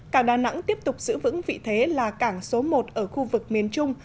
cảng đà nẵng tiếp tục giữ vững vị thế là cảng số một ở khu vực miền trung